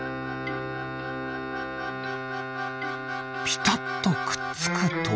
ピタッとくっつくと。